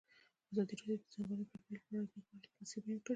ازادي راډیو د د ځنګلونو پرېکول په اړه د نېکمرغۍ کیسې بیان کړې.